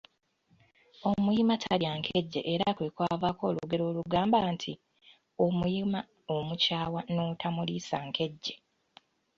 Omuyima talya nkejje era ku kwavaako olugero olugamba nti: Omuyima omukyawa n’otomuliisa nkejje.